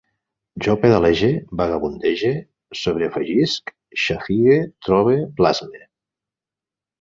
Jo pedalege, vagabundege, sobreafegisc, xafigue, trobe, plasme